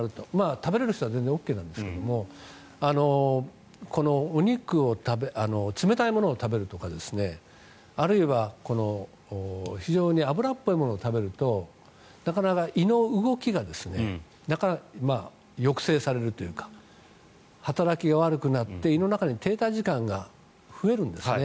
食べられる人は全然ＯＫなんですけど冷たいものを食べるとかあるいは非常に脂っぽいものを食べるとなかなか胃の動きが抑制されるというか働きが悪くなって胃の中での停滞時間が長くなるんですね。